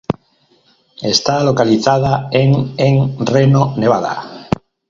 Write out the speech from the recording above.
Está localizada en en Reno, Nevada.